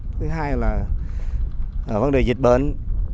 thứ hai là vấn đề dịch bệnh